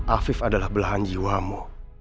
afif adalah belahan jiwamu